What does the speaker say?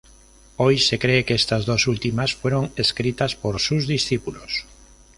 Hoy se cree que estas dos últimas fueron escritas por sus discípulos.